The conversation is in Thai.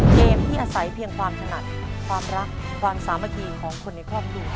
เกมที่อาศัยเพียงความถนัดความรักความสามัคคีของคนในครอบครัว